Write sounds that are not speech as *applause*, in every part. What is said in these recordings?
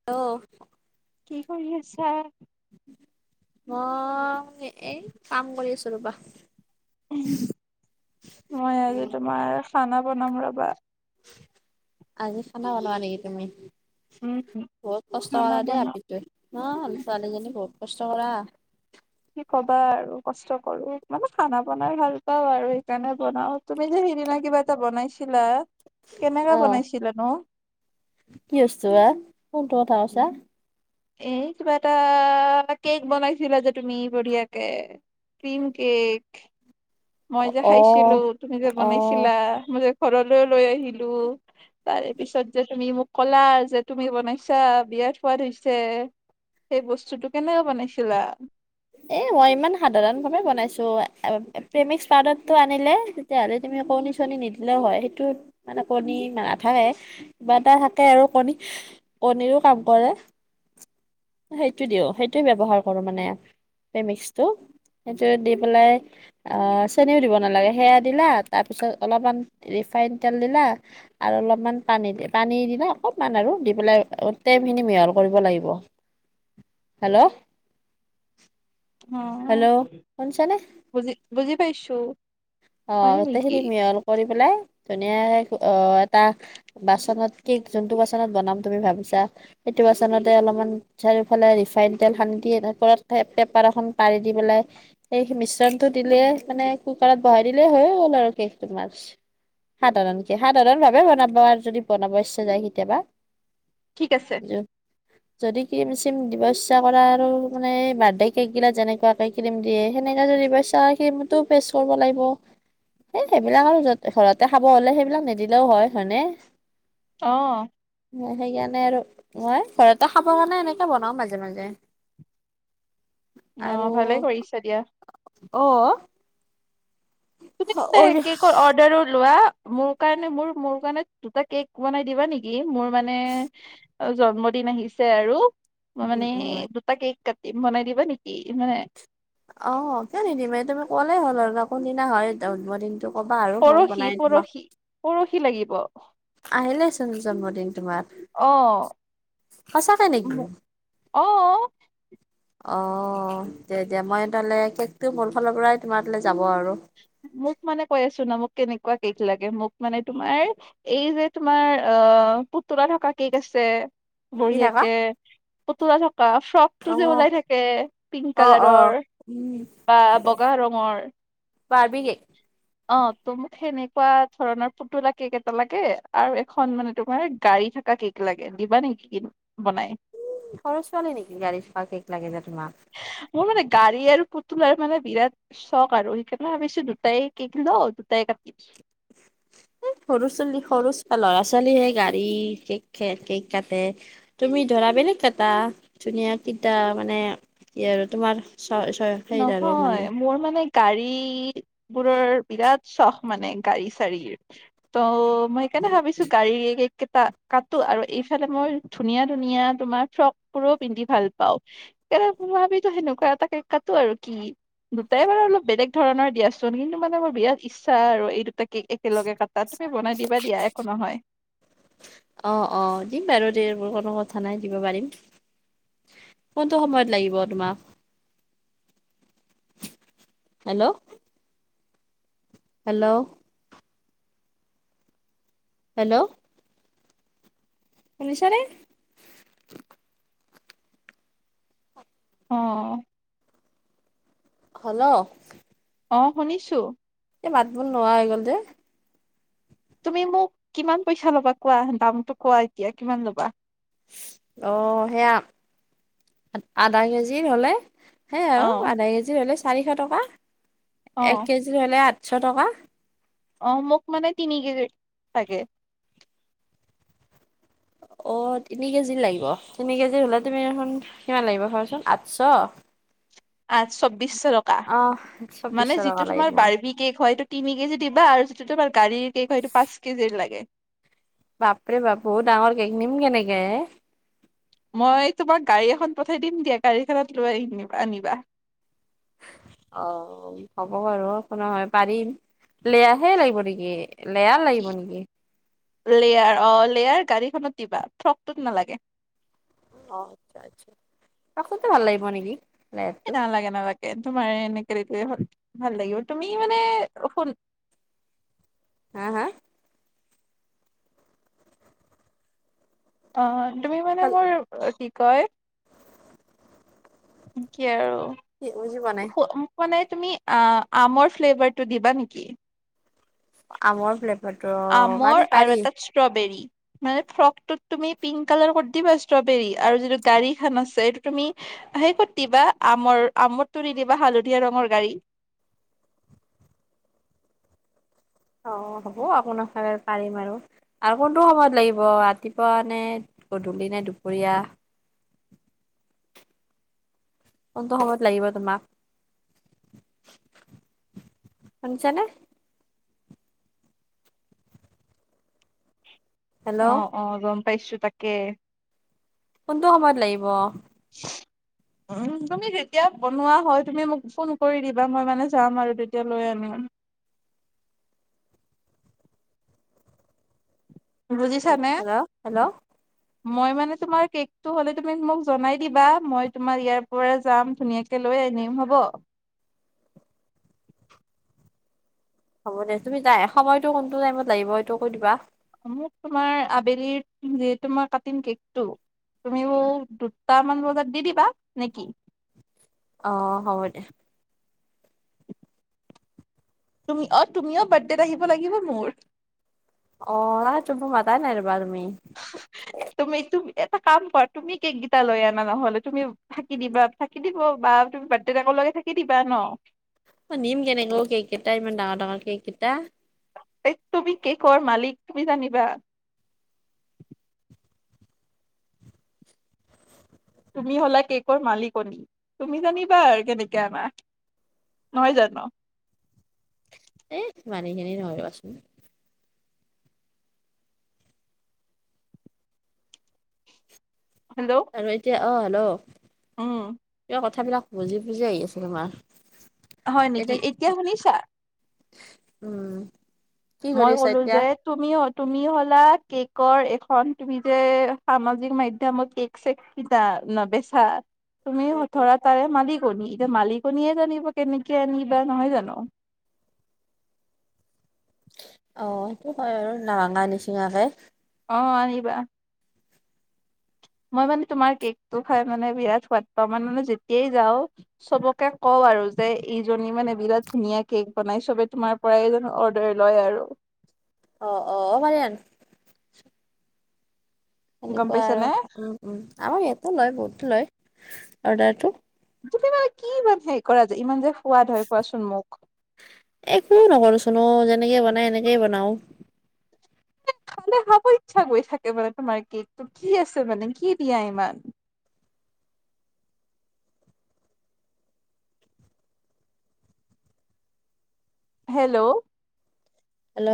Hello. কি কৰি আছা? মই এই কাম কৰি আছো ৰবা। মই আজি তোমাৰ খানা বনাম ৰবা। আজি খানা বনোৱা নেকি তুমি? উম, বহুত কষ্ট খানা কৰা দেই বনাও। আপি - অ ছোৱালীজনী বহুত কষ্ট কৰা। কি ক'বা আৰু কষ্ট কৰোঁ মানে খানা বনাই ভাল পাওঁ আৰু সেইকাৰণে বনাওঁ। তুমি যে সিদিনা কিবা এটা বনাইছিলা, কেনেকা অ'। বনাইছিলা নো? কি বস্তু বা, কোনটোয কথা কৈছা? এই কিবা এটা কেক বনাইছিলা যে তুমি বঢ়িয়াকে‌? Cream cake. মই যে অ', খাইছিলোঁ, তুমি যে অ', বনাইছিলা, মই যে ঘৰলৈও লৈ আহিলোঁ। তাৰে পিছত যে তুমি মোক ক'লা যে তুমি বনাইছা বিৰাট সোৱাদ হৈছে। সেই বস্তুটো কেনেকে বনাইছিলা? এ মই ইমান সাধাৰণ ভাৱে বনাইছোঁ, অ', -অ', -অ', প্ৰেমিক্স পাউদাৰটো আনিলে। তেতিয়াহ'লে তুমি অ', কণী-চণী নিদিলেও হয়, সেইটোত মানে কণী নাথাকে। কিবা এটা থাকে আৰু কণী হি কণীৰো কাম কৰে। মই সেইটো দিও, সেইটোৱে ব্যৱহাৰ কৰোঁ মানে সেই মিক্সটো। সেইটো দি পেলাই। অ', চেনিও দিব নালাগে, সেয়া দিলা তাৰপিছত অলপমান ৰিফাইন তেল দিলা। আৰু অলপমান পানী দি পানী দিলা অকণমান আৰু দি পেলাই গোটেই খিনি মিহল কৰিব লাগিব। হেল্ল',। হেল্ল', শুনিছা নে? বুজি-বুজি পাইছোঁ। আহ', গোটেইখিনি মিহল কৰি পেলাই, ধুনীয়াকে আহ', এটা। বাচনত কেক, যোনটো বাচনত বনাম তুমি ভাবিছা, সেইটো বাচনতে অলপমান। চাৰিওফালে ৰিফাইন তেল সানি দি তাৰ ওপৰত পেপাৰ এখন পাৰি দি পেলাই। এ', সেই মিশ্ৰণটো দিলে মানে কুকাৰত বহাই দিলে হৈয়ে গ'ল আৰু কেকটো তোমাৰ। সাধাৰণকে, সাধাৰণ ভাৱে বনাব আৰু যদি বনাব ইচ্ছা যায় কেতিয়াবা। ঠিক আছে। উম', যদি ক্ৰিম-চ্ৰিম দিব ইচ্ছা কৰা আৰু মানে বাৰ্থডে কেক গিলা যেনেকুৱা কৈ। ক্ৰীম দিয়ে সেনেকে যদি পই চাহ ক্ৰীমতটো পেচ কৰিব লাগিব। অ', সেই সেইবিলাক আৰু য'ত ঘৰতে খাব হ'লে সেইবিলাক নিদিলেও হয়, হয়নে। অহ',। সেইকাৰণে আৰু, মই ঘৰতে খাব কাৰণে এনেকে বনাওঁ মাজে-মাজে। অ আৰু, ভালে কৰিছা দিয়া অহ',। তুমি ত কেকৰ অৰ্ডাৰও লোৱা, মোৰ কাৰণে মোৰ-মোৰ কাৰণে দুটা কেক বনাই দিবা নি নিকি, মোৰ মানে জন্মদিন আহিছে আৰু মই উম মানে উম দু দুটা কেক কাটিম, বনাই দিবা নেকি? মানে। অ', কিয় নিদিম এই তুমি ক'লে হ'ল আৰু কোনদিনা হয় তোমাৰ জন্মদিনটো? ক'বা আৰু মই বনাই তোমাক পৰহি-পৰহি, পৰহি লাগিব। আহিলেচোন জন্মদিন তোমাৰ, অ সঁচাকেই নেকি? অওও',। অহ', তেতিয়া মই তালে কেকটো মোৰ ফালৰ পৰাই তোমাৰ তালৈ যাব আৰু। মোক মানে কৈ আছোঁ ন মোক কেনেকুৱা কেক লাগে মোক মানে তোমাৰ। এই যে তোমাৰ অ', পুতলা থকা কেক আছে? কি থাকা বঢ়িয়াকৈ পুতলা থকা ফ্ৰক। ফ্ৰকটো যে অ' ওলাই থাকে পিংক অ' অ' কালাৰৰ উম বা বগা ৰঙৰ। Barbie cake? অ', তো মোক সেনেকুৱা ধৰণৰ পুতলা কেক এটা লাগে আৰু এখন মানে তোমাৰ গাড়ী থাকা কেক। সেইটো লাগে, দিবা নেকি কি বনাই? সৰু ছোৱালী নেকি গাড়ী চা কেক লাগে যে তোমাক? মোৰ মানে গাড়ী আৰু পুতুল আৰু মানে বিৰাট চক আৰু তাই ভাবিছিলো দুটাই কেক লও দুটাই কাটিম। *inaudible* ও সৰু ছোৱালী সৰু ল'ৰা ছোৱালীহে গাড়ী কেক খেক কেক কাটে তুমি ধৰা বেলেগ কাটা, ধুনীয়া কেইটা মানে কি আৰু তোমাৰ ছ ছ নহয় মোৰ মানে গাড়ীবোৰৰ বিৰাট চখ মানে গাড়ী - চাৰীৰ, ত মই সেনে ভাবিছো গাড়ীয়ে একে কেইটা কাটো আৰু এইফালে মই ধুনীয়া - ধুনীয়া তোমাৰ ফ্ৰকবোৰো পিন্ধি ভাল পাও। তে তোমাৰ আমিটো সেনেকুৱা এটা কেক কাটো আৰু কি? দুটাই আনো, বেলেগ ধৰণৰ দিয়াচোন কিন্তু মানে মোৰ বিৰাট ইচ্ছা আৰু এই দুটা কেক একেলগে কাটা, তুমি বনাই দিবা দিয়া একো নহয়। অ অ, দিম বাৰু দে মোৰ কোনো কথা নাই দিব পাৰিম। কোনটো সময়ত লাগিব তোমাক? হেল্ল'? হেল্ল'? হেল্ল'? শুনিছা নে? অ অ। হেল্ল'? অ শুনিছো। এ মাত বোল নোহোৱা হৈ গ'ল যে? তুমি মোক কিমান পইচা ল'বা কোৱা দামটো কোৱা এতিয়া কিমান ল'বা? চি অ সেয়া আত আধা কেজি হলে সেই অ আৰু আধা কেজি হ'লে চাৰিশ টকা, অ এক কেজি হ'লে আঠশ টকা। অ মোক মানে তিনি কেজ লাগে। অ তিনি কেজি লাগিব, তিনি কেজি হ'লে তুমি এইখন কিমান লাগিব কোৱাচোন আঠশ? আঠ চৌবিশৰক অহ, চৌবিচশ টকা লাগিব। বাৰ্বি কেক হয়তো তিনি কেজি দিবা আৰু যিটো তোমাৰ গাড়ীৰ কেক হয়টো পাঁচ কেজিৰ লাগে। বাপৰে বাপু! ডাঙৰ কেক নিম কেনেকে? মই তোমাক গাড়ী এখন পঠাই দিম দিয়া গাড়ীখনত লৈ আনিবা আনিবা। অ হ'ব বাৰু, একো নহয় পাৰিম। লেয়াহে লাগিব নেকি? লেয়া কি লাগিব নেকি? লেয়াৰ অ লেয়াৰ গাড়ীখনত দিবা, ফ্ৰকটোত নালাগে। অ *inaudible* তাতেটো ভাল লাগিব নেকি? এ লেয়াৰটো নালাগে নালাগে, তোমাৰ এনেকে ভাল লাগিব, তুমি মানে শুন হা হা? অ, তুমি মানে ভাল মোৰ অ কি কয়? কি আৰু কি বুজি পোৱা নাই? ফো মোক মানে তুমি আ আমৰ ফ্লেভাৰটো দিবা নেকি? আমাৰ ফ্লেভাৰটো অ পাৰি আমৰ আৰু পাৰি। এটাত ষ্ট্ৰবেৰী মানে ফ্ৰকতোত তুমি পিংক কালাৰ কৰি দিবা ষ্ট্ৰবেৰী আৰু যিটো গাড়ী খান আছে এইটো তুমি সেই ক'ত দিবা আমৰ আমতটোৰি দিবা হালধীয়া ৰঙৰ গাড়ী। অ হ'ব আকো নহয় পাৰিম আৰু আৰু কোনটো সময়ত লাগিব ৰাতিপুৱা নে, গধূলি নে, দুপৰীয়া? কোনটো সময়ত লাগিব তোমাক! শুনছানে? হেল্ল' অ' অ' গম পাইছো তাকে! কোনটো সময়ত লাগিব? উম তুমি যেতিয়া বনোৱা হয় তুমি মোক ফোন কৰি দিবা মই মানে যাম আৰু তেতিয়া লৈ আনিম। বুজিছা নে? হেল্ল' হেল্ল' মই মানে তোমাৰ কেকটো হ'লে তুমি মোক জনাই দিবা মই তোমাৰ ইয়াত শুকবাৰে যাম ধুনীয়াকে লৈ আনিম হ'ব? হ'ব দে তুমি যাই সময়তটো কোনটো টাইমত লাগিব এইটো কৈ দিবা। মোক তোমাৰ আবেলিৰ যিহেতু মই কাটিম কেকটো তুমিও দুটামান বজাত দি দিবা' নে'কি? অ হব দে। তুমি অ তুমিও বাৰ্থডেত আহিব লাগিব মোৰ। অ মানে তোম'তো মাতাই নাই ৰবা তুমি। তুমি তুমি এটা কাম কৰা তুমি কেক গীটা লৈ আনা নহলে তুমি থাকি দিবা থাকি দিব বা তুমি বাৰ্থডেটকে থাকি দিবা ন? অ নিম কেনেকুৱ অ কেক কেইটা ইমান ডাঙৰ ডাঙৰ কেক কেইটা। তুমি কেকৰ মালিক তুমি জানিবা। তুমি হলা কেকৰ মালিকনী তুমি জানিবা আৰু কেনেকে আনা। নহয় জানো? এ মানেই খিনি নৰকচোন হেল্ল' আৰু এতিয়া অ হেল্ল' উম কিবা কথাবিলাক বুজি বুজিএ আহি আহিআচে তোমাৰ। হয় নেকি এতিয়া শুনিছা? উম কি কৰি মই আছা ক'লো এতিয়া? যে তুমি তুমি হ'লা কেকৰ এখন তুমি যে সামাজিক মাধ্যয়মত কেক *unintelligible* কিতা নেবেচা তুমি হঠৰা তাৰে মালিকনী এতিয়া মালিকনীয়ে জানিব কেনেকে আনিবা' নহয় জানো? অ সেইটো হয় আৰু নৰিঙা নিচিঙাকে। অ আনিবা। মই মানে তোমাৰ কেকটো খাই মানে বিৰাট সোৱাদ পাওঁ মানে মানে যেতিয়াই যাওঁ সবকে কও আৰু যে ইজনী মানে বিৰাট ধুনীয়া কেক বনাই চবে তোমাৰ পৰাই এজন অৰ্ডাৰ লয় আৰু। অ' অ' অ ভালে আৰু গম সেনেকুৱা পাইছা আৰু নে আমাৰ ইয়াতো লয় বহুত লয় অৰ্ডাৰটো। তুমি মানে কি ইমান হেৰি কৰা যে ইমান যে সোৱাদ হয় কোৱাচোন মোক একোও নকৰোচোন অ যেনেকে বনাই এনেকেই বনাওঁ। মানে খাব ইচ্ছা গৈ থাকে মানে তোমাৰ কেকটো কি আছে মানে, কি দিয়া ইমান? হেল্ল হেল্ল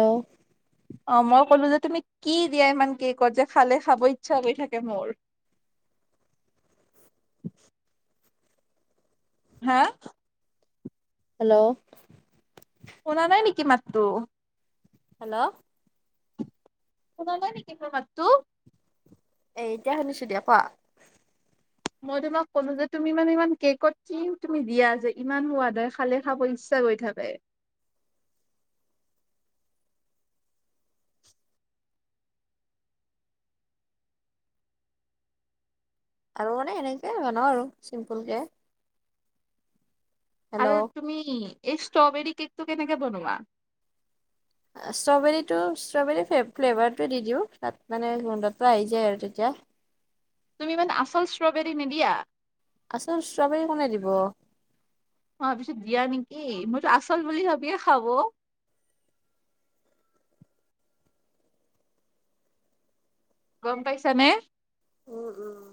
অ মই ক'লো যে তুমি কি দিয়া ইমান কে কত যে খালে খাব ইচ্ছা হৈ থাকে মোৰ হা হেল্ল' শুনা নাই নেকি মাতটো হেল্ল' শুনা নাই নেকি মোৰ মাততো এ এতিয়া শুনিছো দিয়া কোৱা মই তোমাক ক'লো যে তুমি মানে ইমান কেকত কি তুমি দিয়া যে ইমান সোৱাদ হয় খালে খাব ই গৈ থাকে আৰু মানে এনেকে বনাও আৰু চিম্পুল কে আৰু হেল্ল' তুমি এই ষ্ট্ৰবেৰী কেকটো কেনেকে বনোৱা ষ্ট্ৰবেৰীটো ষ্ট্ৰবেৰী ফ ফ্লেভাৰটো দি দিওঁ তাত মানে গোন্ধটো আহি যায় আৰু তেতিয়া তুমি মানে আচল ষ্ট্ৰবেৰী নিদিয়া আচল ষ্ট্ৰবেৰী কোনে দিব ম‌ই ভাবিছো দিয়া নেকি মইতো আচল বুলি ভাবিয়ে খাব গম পাইছা নে উ উম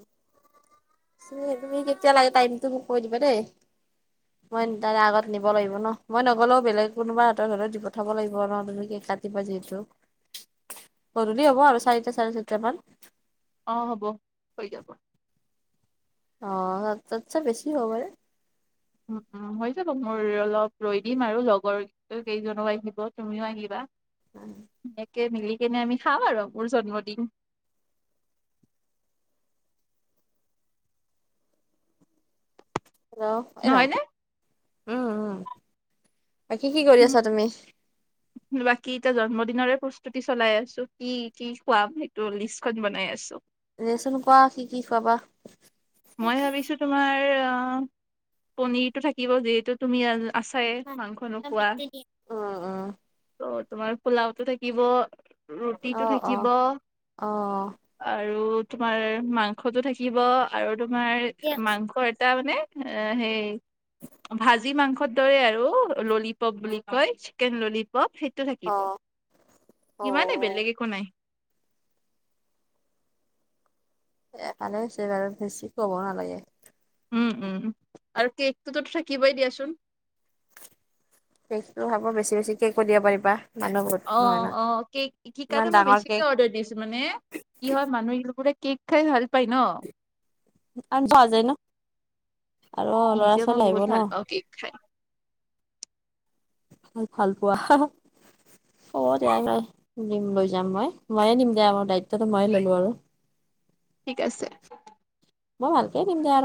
তুমি কেতিয়া লাগে টাইমটো মোক কৈ দিবা দেই *unintelligible* মই তাৰে আগত নিব লাগিব ন মই নগ'লেও বেলেগ কোনোবা হাতৰ হলেও দি পঠাব লাগিব ন তুমকৈ কাটিবা যিহেতু গধূলি হ'ব আৰু চাৰিটা চাৰে চাৰিটা মান অ হ'ব হৈ যাব অ তাতচে বেছি হব পাৰে উম উম মই অলপ ৰৈ দিম, আৰু লগৰ কেইজনো আহিব তুমিও আহিব এনেকে মিলি কেনে আমি খাাম আৰু মোৰ জন্মদিন হেল্ল' নহয় এইবাবু নে? কি কি কৰি উম, আছা তুমি বাকী এতিয়া জন্মদিনৰে প্ৰস্তুতি চলাই আছো কি কি খোৱাম সেইটো লিষ্টখন বনাই আছো দেচোন কোৱা কি কি খোৱাবা মই ভাবিছো তোমাৰ অ পনিৰটো থাকিব যিহেতু তুমি আছায়ে মাংস নোখোৱা উম উম ত তোমাৰ পোলাওটো থাকিব অ অ ৰুটিটো অ থাকিব অ আৰু তোমাৰ মাংসতটো থাকিব আৰু তোমাৰ মাংস এটা মানে এ সেই ভাজি মাংসত তই আৰু ললিপপ বুলি কয় চিকেন ললিপপ সেইটো থাকিব অ ইমানেই বেলেগ একো নাই এ ভালে হৈছে বাৰু বেছি ক'বও নালাগে উম উম আৰু কেকটো ত থাকিব দিয়াচোন কেকটো খাব বেছি বেছি কেক কৰিব দিব পাৰিবা মানুহ বহুত অ নহয় ন অ ইমান কেকটা মই ডাঙৰ বেছিকে কেক অৰ্ডাৰ দিছো মানে কি হয় মানুহবিলাকে কেক খাই ভাল পায় ন আন যোৱা যায় ন আৰু অ ল'ৰা নিজে মই ছোৱালী আহিব বহুত ন ভাল পাওঁ কেক খাই মোক ভাল পোৱা অ দিয়া নাই দিম লৈ যাম মই ময়ে দিম দে ম দায়িত্বটো ময়ে ললো আৰু ঠিক আছে। মই ভালকে দিম দে আৰু।